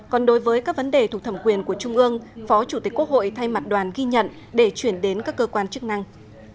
còn đối với các vấn đề thuộc thẩm quyền của trung ương phó chủ tịch quốc hội thay mặt đoàn ghi nhận để chuyển đến các cơ quan chức năng